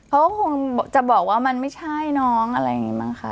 อะไรอย่างเงี้ยฮะพอผมจะบอกว่ามันไม่ใช่น้องอะไรอย่างงี้บ้างค่ะ